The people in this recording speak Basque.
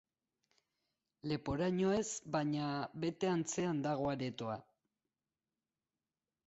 Leporaino ez, baina bete antzean dago aretoa.